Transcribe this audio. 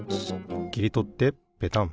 きりとってペタン。